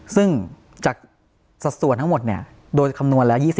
ซึ่งจากสัดส่วนทั้งหมดโดยคำนวณแล้ว